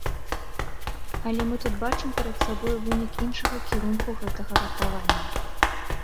Але мы тут бачым перад сабою вынік іншага кірунку гэтага ратавання.